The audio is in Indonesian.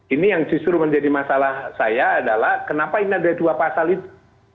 ini yang justru menjadi masalah saya adalah kenapa ini ada dua pasal itu